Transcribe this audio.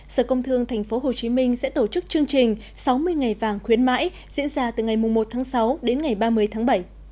sở công thương tp hcm sẽ tổ chức chương trình sáu mươi ngày vàng khuyến mãi diễn ra từ ngày một tháng sáu đến ngày ba mươi tháng bảy